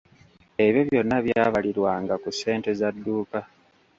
Ebyo byonna byabalirwanga ku ssente za dduuka.